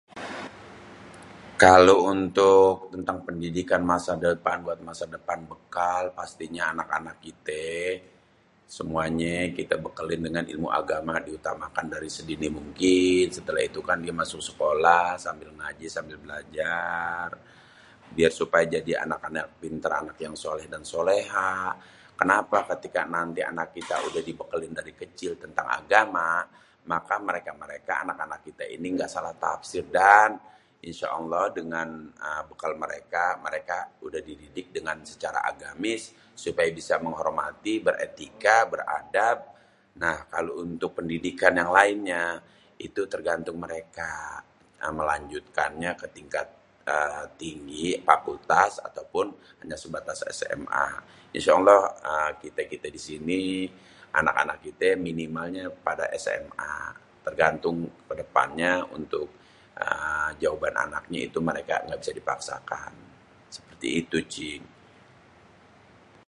Kalo untuk tentang pendidikan di masa depan buat masa depan bêkal, pastinya anak-anak kité semuanyé kita bekali dengan ilmu agama di utamakan dari sedini mungkin, setelah itu kan dia masuk sekolah sambil ngaji sambil belajar biar supaya jadi anak-anak yang pinter anak-anak yang sholeh dan sholehah. Kenapa ketika nanti anak kita udah di bekelin dari kecil tentang agama maka mereka-mereka anak-anak kita ini engga salah tafsir dan insha allah dengan bekal mereka udah di didik secara agamis supaya bisa menghormati, beretika, beradab, nah kalo untuk pendidikan yang lainnya itu tergantung mereka yang melanjutkannya ketingkat tinggi fakultas ataupun hanya sebatas SMA insha allah kité-kité disini, anak-anak kité minimalnya pada SMA tergantung kedepannya untuk 'aaa' jawaban anaknya mereka engga bisa dipaksakan seperti itu cing.